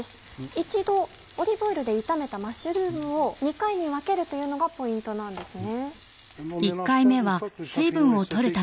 一度オリーブオイルで炒めたマッシュルームを２回に分けるというのがポイントなんですね。